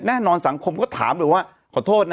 แน่นอนสังคมก็ถามเลยว่าขอโทษนะ